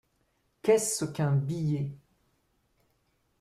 Qu’est-ce qu’un billet ?